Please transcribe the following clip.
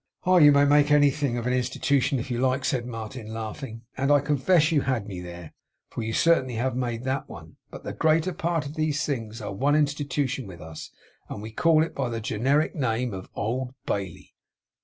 'Oh! you may make anything an Institution if you like,' said Martin, laughing, 'and I confess you had me there, for you certainly have made that one. But the greater part of these things are one Institution with us, and we call it by the generic name of Old Bailey!